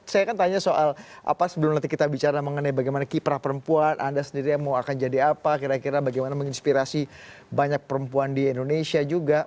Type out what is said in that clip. saya akan tanya soal apa sebelum nanti kita bicara mengenai bagaimana kiprah perempuan anda sendiri mau akan jadi apa kira kira bagaimana menginspirasi banyak perempuan di indonesia juga